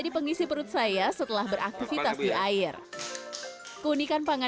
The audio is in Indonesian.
air yang sempurna air yang sempurna